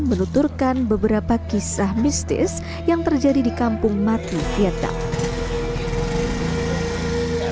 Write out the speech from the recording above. menuturkan beberapa kisah mistis yang terjadi di kampung mati vietnam